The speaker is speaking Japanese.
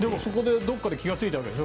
どこかで気が付いたわけでしょ。